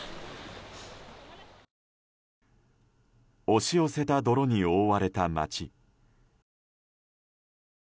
押し寄せた泥に覆われた街。